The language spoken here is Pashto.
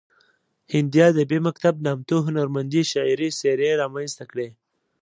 هندي ادبي مکتب نامتو هنرمندې شعري څیرې رامنځته کړې